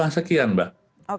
sekian mbak